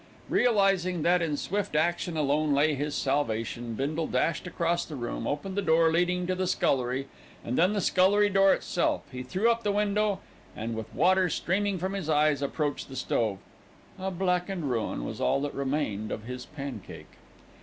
Realising that in swift action alone lay his salvation, Bindle dashed across the room, opened the door leading to the scullery and then the scullery door itself. He threw up the window and, with water streaming from his eyes, approached the stove. A blackened ruin was all that remained of his pancake.